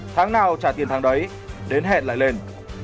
tháng nào trả tiền tháng đấy đến hẹn lại lên